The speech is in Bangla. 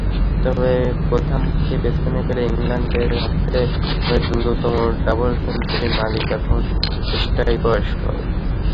তবে বোথামকে পেছনে ফেলে ইংল্যান্ডের হয়ে দ্রুততম ডাবল সেঞ্চুরির মালিক এখন স্টোকসই।